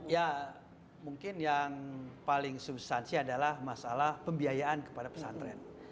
ya mungkin yang paling sifatnya adalah pembayaran di pesantren